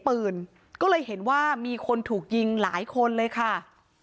ปืนก็เลยเห็นว่ามีคนถูกยิงหลายคนเลยค่ะ